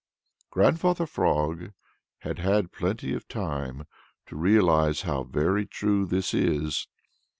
Grandfather Frog had had plenty of time to realize how very true this is.